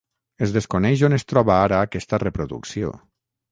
Es desconeix on es troba ara aquesta reproducció.